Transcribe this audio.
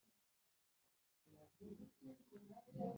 yazindutse kare gushaka abahinzi ngo bahingire uruzabibu rwe.